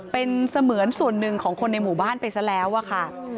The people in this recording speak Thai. เป็นเสมือนส่วนหนึ่งของคนในหมู่บ้านไปซะแล้วอะค่ะ